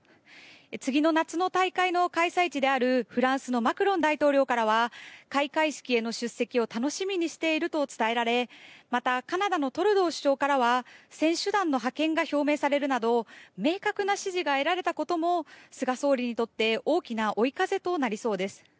次の夏の大会の開催地であるフランスのマクロン大統領からは開会式への出席を楽しみにしていると伝えられまたカナダのトルドー首相からは選手団の派遣が表明されるなど明確な支持が得られたことも菅総理にとって大きな追い風となりそうです。